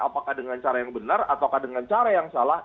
apakah dengan cara yang benar ataukah dengan cara yang salah